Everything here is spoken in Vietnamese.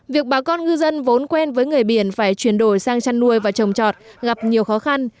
việc bà con ngư dân vốn quen với người biển phải chuyển đổi sang chăn nuôi và trồng trọt gặp nhiều khó khăn